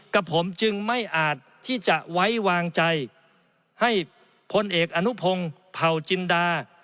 กับผมจึงไม่อาจที่จะไว้วางใจให้พลเอกอนุพงศ์เผาจินดา